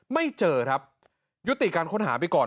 ไม่เจอครับยุติการค้นหาไปก่อน